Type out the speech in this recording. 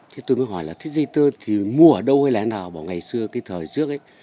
thế tôi mới hỏi là thích di tơ thì mua ở đâu hay là nào bảo ngày xưa cái thời trước ấy